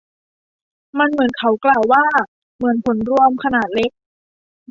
มันเหมือนเขากล่าวว่า เหมือนผลรวมขนาดเล็ก